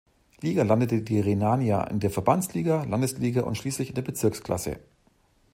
Liga landete die Rhenania in der Verbandsliga, Landesliga und schließlich in der Bezirksklasse.